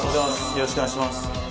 よろしくお願いします。